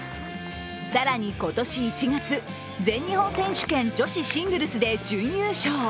更に今年１月、全日本選手権女子シングルスで準優勝。